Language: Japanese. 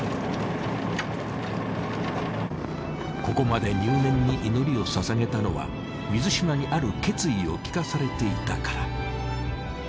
ここまで入念に祈りを捧げたのは水嶋にある決意を聞かされていたから。